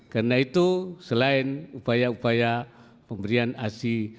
karena itu selain upaya upaya pemberian asi